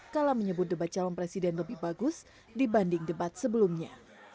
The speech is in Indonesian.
kala menyebut debat calon presiden lebih bagus dibanding debat sebelumnya